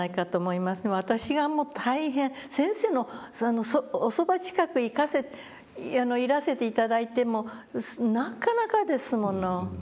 私がもう大変先生のおそば近く行かせていらせて頂いてもなかなかですもの。